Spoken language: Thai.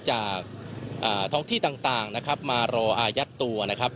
จากท้องที่ต่างนะครับมารออายัดตัวนะครับ